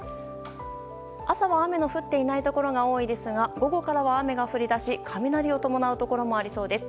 朝は雨の降っていないところが多いですが午後からは雨が降り出し雷を伴うところもありそうです。